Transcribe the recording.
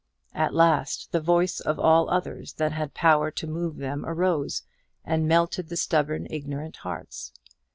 At last the voice of all others that had power to move them arose, and melted the stubborn ignorant hearts.